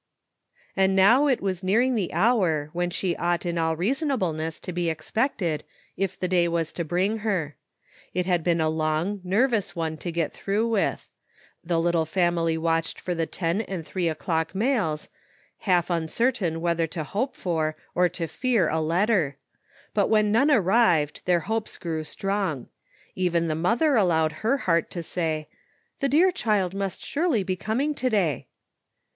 And now it was nearing the hour when she ought in all reasonableness to be expected, if the day was to bring her. It had been a long, nervous one to get through with. The little family watched for the ten and three o'clock mails, half uncertain whether to hope for or to fear a letter ; but when none arrived their hopes grew strong ; even the mother allowed her heart to say, " The dear child must surely be coming to day."